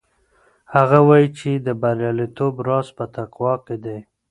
هغه وایي چې د بریالیتوب راز په تقوا کې دی.